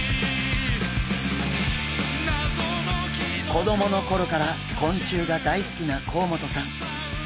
子どもの頃から昆虫が大好きな甲本さん。